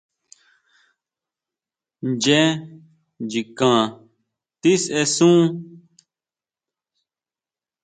Ncheé nchikan tisesun.